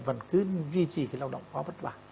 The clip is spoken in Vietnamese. vẫn cứ duy trì cái lao động quá vất vả